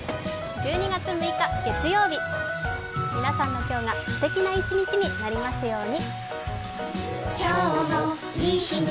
１２月６日月曜日、皆さんの今日がすてきな１日になりますように。